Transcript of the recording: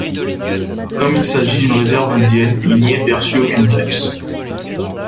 Comme il s'agit d'une réserve indienne, il n'y est perçu aucune taxe.